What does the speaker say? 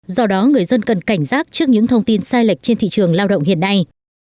do đó người dân cần cảnh giác trước những thông tin sai lệch trên thị trường lao động hiện nay